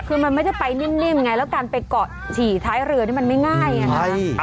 คือมันไม่ได้ไปนิ่มไงแล้วการไปเกาะฉี่ท้ายเรือนี่มันไม่ง่ายไงฮะ